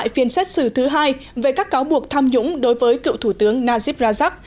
trong phiên xét xử thứ hai về các cáo buộc tham nhũng đối với cựu thủ tướng najib rajak